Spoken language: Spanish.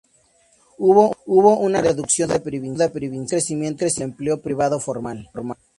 Hubo una reducción de la deuda provincial y un crecimiento del empleo privado formal.